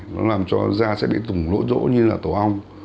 nó làm cho da sẽ bị tủng lỗ rỗ như là tổ ong